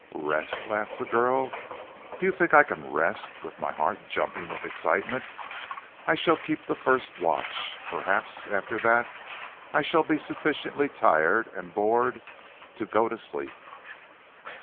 "Rest!" laughed the girl. "Do you think I can rest with my heart jumping with excitement? I shall keep the first watch, perhaps after that I shall be sufficiently tired and bored to go to sleep."